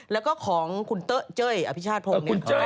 แล้วก็ของคุณเฮ้ยอภิชาธรพงศ์